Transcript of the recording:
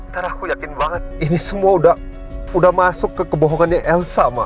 karena aku yakin banget ini semua udah masuk ke kebohongannya elsa ma